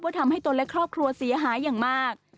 ทำให้ตนและครอบครัวเสียหายอย่างมาก